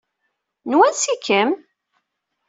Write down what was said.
N wansi-kem?